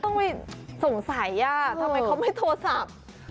ต้องไปสงสัยทำไมเขาไม่โทรศัพท์